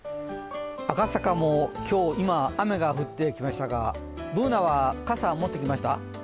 赤坂も今、雨が降ってきましたがＢｏｏｎａは傘は持ってきましたか？